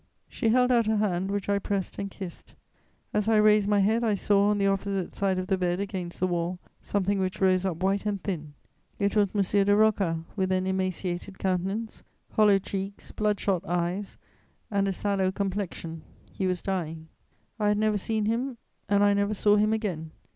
She held out her hand, which I pressed and kissed. As I raised my head, I saw on the opposite side of the bed, against the wall, something which rose up white and thin: it was M. de Rocca, with an emaciated countenance, hollow cheeks, bloodshot eyes and a sallow complexion; he was dying. I had never seen him, and I never saw him again.